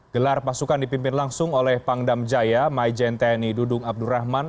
gelar pasukan dipimpin langsung oleh pangdam jaya maijen tni dudung abdurrahman